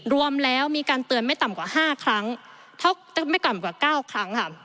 รวมแล้วมีการเตือนไม่ต่ำกว่า๙ครั้ง